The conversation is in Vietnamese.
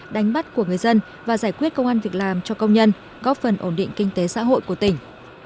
đánh bắt của người dân và giải quyết công an việc làm cho công nhân góp phần ổn định kinh tế xã hội của tỉnh